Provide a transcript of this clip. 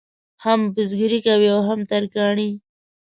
هم بزګري کوي او هم ترکاڼي.